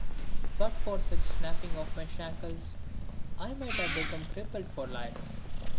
But for such snapping of my shackles I might have become crippled for life.